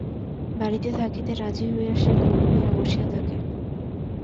বাড়িতে থাকিতে রাজি হইয়া সে গুম হইয়া বসিয়া থাকে।